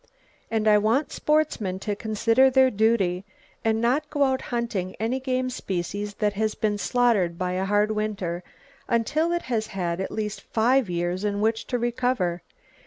And I want sportsmen to consider their duty, and not go out hunting any game species that has been slaughtered by a hard winter, until it has had at least five years in which to recover.